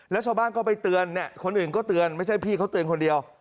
แล้วชาวบ้านก็ไปเตือนเนี่ยคนอื่นก็เตือนไม่ใช่พี่เขาเตือนคนเดียว